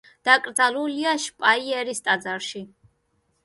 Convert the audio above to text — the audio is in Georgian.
დაკრძალულია შპაიერის ტაძარში.